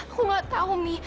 aku gak tahu mi